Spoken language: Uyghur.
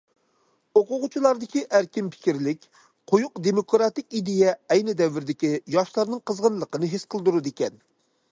ئوقۇغۇچىلاردىكى ئەركىن پىكىرلىك، قويۇق دېموكراتىك ئىدىيە ئەينى دەۋردىكى ياشلارنىڭ قىزغىنلىقنى ھېس قىلدۇرىدىكەن.